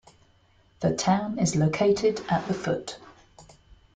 The town is located at the foot.